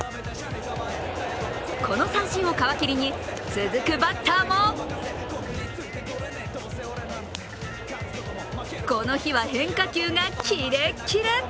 この三振を皮切りに、続くバッターもこの日は変化球がキレッキレ！